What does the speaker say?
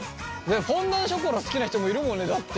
フォンダンショコラ好きな人もいるもんねだって。